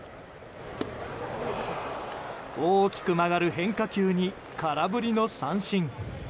大きく曲がる変化球に空振りの三振。